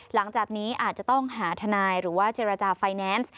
หลังจากนี้อาจจะต้องหาทนายหรือว่าเจรจาไฟแนนซ์